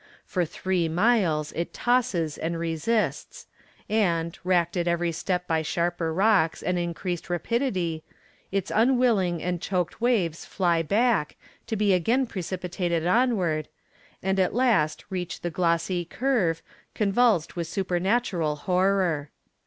For three miles it tosses and resists, and, racked at every step by sharper rocks and increased rapidity, its unwilling and choked waves fly back, to be again precipitated onward, and at last reach the glossy curve, convulsed with supernatural horror.